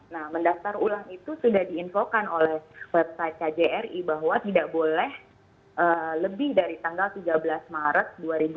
nah mendaftar ulang itu sudah diinfokan oleh website kjri bahwa tidak boleh lebih dari tanggal tiga belas maret dua ribu dua puluh